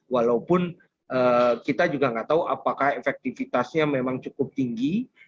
walaupun kita juga nggak tahu apakah efektivitasnya memang cukup tinggi